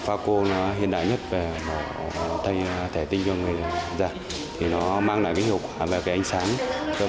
phá co hiện đại nhất thay thủy tinh cho người dạng mang lại hiệu quả về ánh sáng